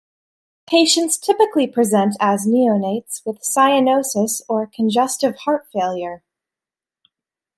Patients typically present as neonates with cyanosis or congestive heart failure.